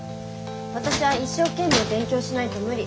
私は一生懸命勉強しないと無理。